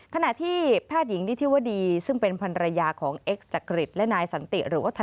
ขณะที่แพทย์หญิงนิธิวดีซึ่งเป็นภรรยาของเอ็กซ์จักริตและนายสันติหรือว่า